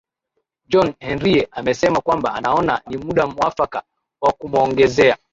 john henrie amesema kwamba anaona ni muda mwafaka wa kumwongezea